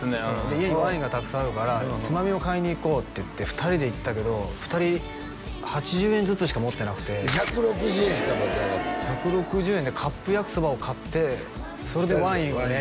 家にワインがたくさんあるからつまみを買いに行こうって言って２人で行ったけど２人８０円ずつしか持ってなくて１６０円しか持ってなかった１６０円でカップ焼きそばを買ってそれでワインをね